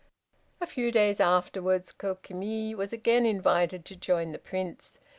A few days afterwards Kokimi was again invited to join the Prince.